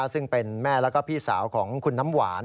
ซึ่งเป็นแม่แล้วก็พี่สาวของคุณน้ำหวาน